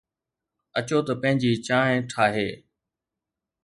اچو ته پنهنجي چانهه ٺاهي.